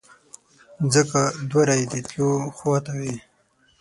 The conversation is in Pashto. ځکه دوه رایې د تلو خواته وې.